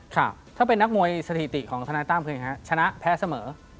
ครับถ้าเป็นนักมวยสถิติของธนาต้ามคืออย่างไรชนะแพ้เสมอ